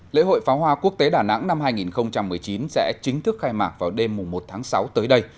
lễ hội pháo hoa quốc tế đà nẵng năm hai nghìn một mươi chín sẽ chính thức khai mạc vào đêm một tháng sáu tới đây